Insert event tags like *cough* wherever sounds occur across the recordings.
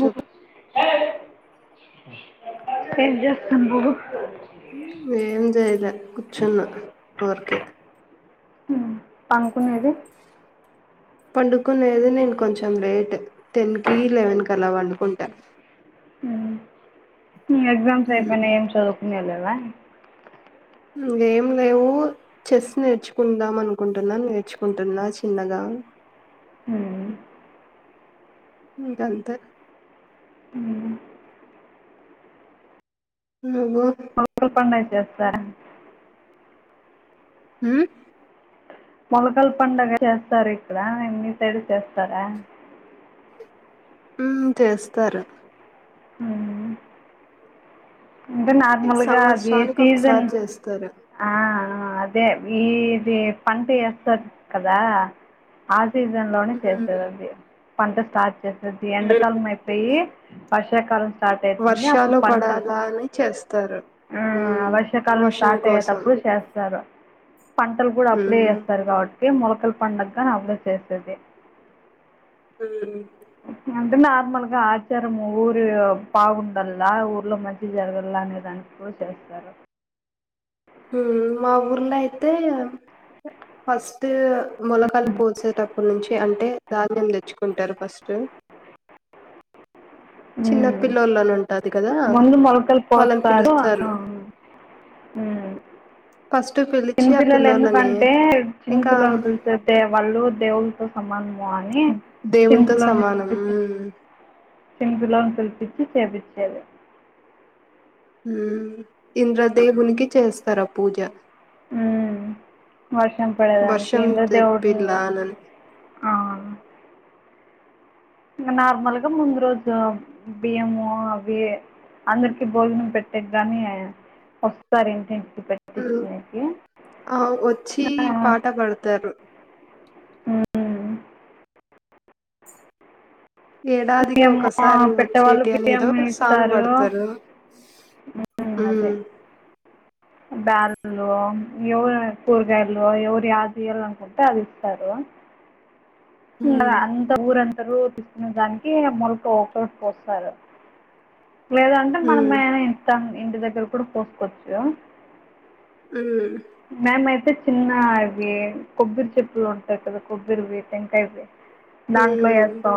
చెప్ ఏం చేస్తున్నరు ఏం చేయలే కూర్చున్నా ఊరికే మ్ పనుకునేది పండుకునేది నేను కొంచెం లేట్ టెన్ కి లేవన్ కి అలా పండుకుంటా నీ ఎగ్జామ్స్ అయిపోయినాయి ఏం చదువుకునేది లేదా ఏం లేవు చెస్ నేర్చుకుందాం అనుకుంటున్నా నేర్చుకుంటున్న చిన్నగా ఇంకా అంతే ఏమో ఊరు పని అయితే చేస్త హ్మ్ మొలకల పండుగ చేస్తారు ఇక్కడ మీ సైడ్ చేస్తారా హూ చేస్తారు మ్ అంటే ఈ నార్మల్ గా అది సంవత్సరానికి సీజన్ ఒకసారి చేస్తారు ఆ ఆ అదే ఇది పంట ఎస్తారు కదా ఆ సీజన్ లోనే ఉమ్ చేస్తారు అది పంట స్టార్ట్ చేస్ ప్రతి ఎండకాలం అయిపోయి వర్షాకాలం స్టార్ట్ అవుతుంది వర్షాలు అప్పుడు పంటలు పడాలని చేస్తారు వర్షం కోసం తేటపుడు చేస్తారు పంటలు కూడా అప్పుడే ఉమ్ ఏస్తారు కాబట్టి ఇదే మొలకల పండగా అందరూ చేసేది మ్ అంటే నార్మల్ గా ఆచారం ఊరి బాగుండల్ల ఊర్లో మంచి జరగల్ల అనే దానికి కూడా చేస్తారు మ్ మా ఊర్లో అయితే ఫస్ట్ మొలకలు పోసే టప్పునుంచి అంటే ధాన్యం తెచ్చుకుంటారు ఫస్ట్ చిన్నపిల్లోలని ఉంటాది కదా ముందు మొలకలు వాళ్ళని పోస్తారు పిలుస్తారు ఫస్ట్ పిలిచి ఆ చిన్నపిల్లలు పిల్లోలని ఎందుకంటే చిన్న ఇంకా పిల్లోల్లు చూస్తుంటే వాళ్ళు దేవుళ్ళతో సమానం కానీ దేవునితో చిన్నపిల్లలను సమానం పిలిపించి హ్మ్ చిన్నపిల్లలను పిలిపించి చేపి చేది ఇంద్ర దేవుని కి చేస్తారా పూజ మ్మ్. వర్షం పడదానికి వర్షం ఇంద్ర దేవున్ను తెప్పిలానని ఆ నార్మల్గా ముందు రోజు బియ్యము అవి అందరికి భోజనం పెట్టేగాని వస్తారు ఏంటి హ ఆ వచ్చి పాటా పాడతారు అ ఏడాదికి ఒకసారి పెట్టేవాళ్ళు వచ్చేటి అనేదో బియ్యం సాంగ్ ఇస్తారు పాడుతారు హ బేలల్లో ఎవరు కూరగాయలు ఎవరు యాది ఇయ్యాలే అనుకుంటే అది ఇస్తారు ఇంగా హ్మ్. అంత ఊరంతా ఇరు తీసుకునే దానికి మొలక ఒకట పోస్తారు లేదంటే హ్మ్. మనమైన ఇత్తం ఇంటి దగ్గర కూడ పోసుకోచ్చా హ్మ్. మేమైతే చిన్న ఇవి కొబ్బరి చెప్పులు ఉంటాయి కదా కొబ్బరివి టెంకాయ వి హ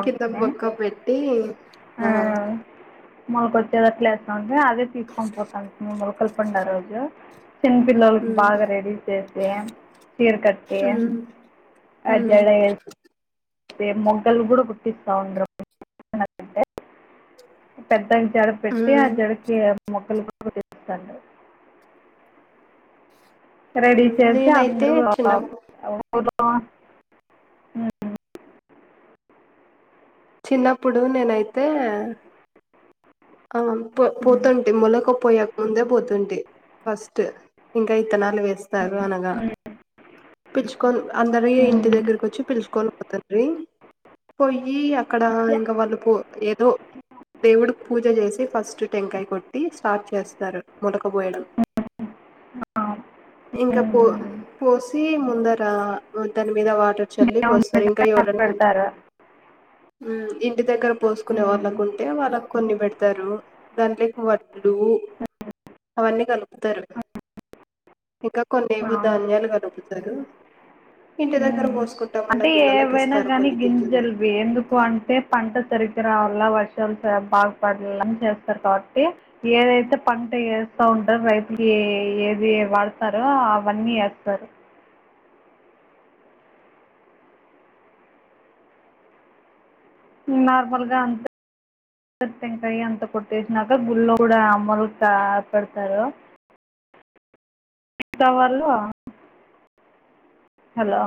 కింద గురక పెట్టి ఆ మాకొచ్చేదట్లేస్తాం హే అదే తీసుకొని పోతాంది ను లోకల్ వున్న రోజు చిన్నపిల్లోలకి హ్మ్. బాగా రెడీ చేసి చీర కట్టి హ్మ్. ఆ హ్మ్. జడ వేసి వే మొగ్గలు కూడా గుట్టిస్తావుండ్రి పెద్దాయ్ జడ పెట్టి ఆ హ్మ్. జడకి మొగ్గలు గు తన్నావ్ రెడీ హ్మ్. చేస్తే నేనైతే అందరు ఆ చిన్నప్పు గులక అ చిన్నప్పుడు నేనైతే ఆ పో ఉమ్, పోతుంటే మొలకపోయాక ముందే పోతుంది ఫస్ట్ ఇంకా ఇత్తనాలు ఏస్తారు అనగా ఉమ్, పిచ్చుకోన్ అందరి ఇంటి ఉమ్, దగ్గరకొచ్చి పిలుచుకోను పోతాండ్రి పోయి అక్కడ యా. ఇంకా వాళ్ళు పో ఏదో దేవుడు పూజ చేసి ఫస్ట్ టెంకాయ కొట్టి స్టార్ట్ చేస్తారు మొలక పోయడం ఉమ్, ఆ, ఇంకా పో ఉమ్, పోసి ముందర దాని మీద వాటర్ చెల్లి దేవుని పోస్తారు ఇంకా దగ్గర ఎవరన్నా ఉ పెడతారు ఇ ఇంటి దగ్గర పోసుకునే ఉమ్, వాళ్ళకు ఉంటే వాళ్ళ కొన్ని పెడతారు దాంట్లోకి వడ్లు అవన్నీ కలుపుతారు ఇంకా కొన్నివో అవును ధాన్యాలు కలుపుతారు ఇంటి దగ్గర పోసుకుంటామన్న అంటే పిల్లలకు ఏవైనా ఇస్తారు గాని కొన్ని గింజలు గింజలువి ఎందుకు అంటే పంట తరిగి దగ్ రావాల వర్షాలు బాగుపడని చేస్తారు కాబట్టి ఏదైతే పంట చేస్తా ఉంటారు రైతుకి ఏది వాడతారో అవన్నీ ఎస్తరు నార్మల్గా అంత టెంకాయ అంత కొట్టేసినాక గుళ్ళ కూడా *unintelligible* పెడతారు *unintelligible* వాళ్ళు హలో